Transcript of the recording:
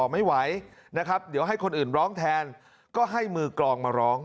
ไม่ไหวนะครับเดี๋ยวให้คนอื่นร้องแทนก็ให้มือกรองมาร้อง